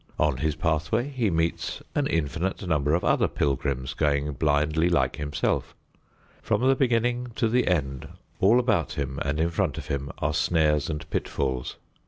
On his pathway he meets an infinite number of other pilgrims going blindly like himself. From the beginning to the end, all about him and in front of him are snares and pitfalls.